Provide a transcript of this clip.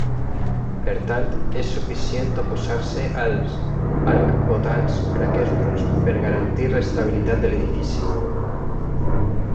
Per tant, és suficient oposar-se als arcbotants en aquests punts per garantir l'estabilitat de l'edifici.